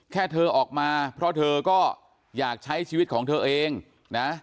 เธอออกมาเพราะเธอก็อยากใช้ชีวิตของเธอเองนะ